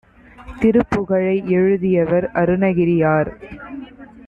திருப்புகழை எழுதியவர் அருணகிரியார்